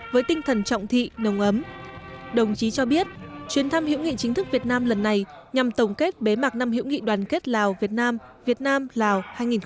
với tinh thần trọng thị nồng ấm đồng chí cho biết chuyến thăm hữu nghị chính thức việt nam lần này nhằm tổng kết bế mạc năm hữu nghị đoàn kết lào việt nam việt nam lào hai nghìn hai mươi